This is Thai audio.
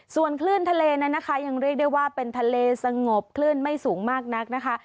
ส่วนคลื่นทะเลนั้นนะคะยังเรียกได้ว่าเป็นทะเลสงบคลื่นไม่สูงมากนักนะคะ